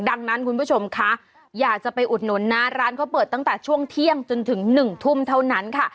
ดังนั้นคุณผู้ชมคะอยากจะไปอุดหนุนนะร้านเขาเปิดตั้งแต่ช่วงเที่ยงจนถึง๑ทุ่มเท่านั้นค่ะ